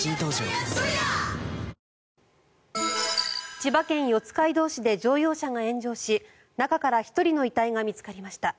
千葉県四街道市で乗用車が炎上し中から１人の遺体が見つかりました。